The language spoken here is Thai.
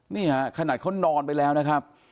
นี่ฮะขนาดเขานอนไปแล้วนะครับ